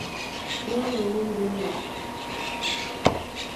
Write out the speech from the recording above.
Wɔ̌lɔ̀ wɔ̀ ndɛ́nɛ̀.